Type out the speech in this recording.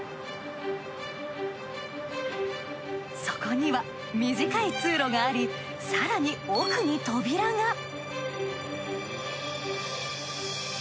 そこには短い通路があり更に奥に扉が。